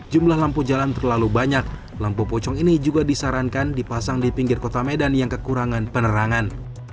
jumlah lampu jalan terlalu banyak lampu pocong ini juga disarankan dipasang di pinggir kota medan yang kekurangan penerangan